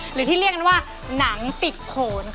หรือที่เรียกกันว่าหนังติดโขนค่ะ